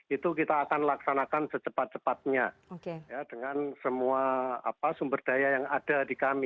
itu kita akan laksanakan secepat cepatnya dengan semua sumber daya yang ada di kami